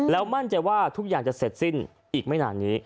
แล้วมั่นใจว่าทุกอย่างจะเสร็จสิ้นอีกไม่นานนี้